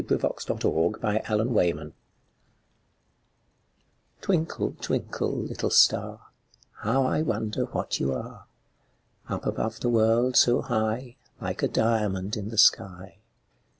_ Twinkle, Twinkle, Little Star Twinkle, twinkle, little star; How I wonder what you are! Up above the world so high, Like a diamond in the sky.